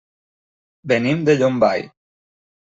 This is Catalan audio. Venim de Llombai.